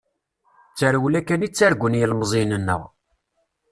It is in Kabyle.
D tarewla kan i ttargun yilemẓiyen-nneɣ.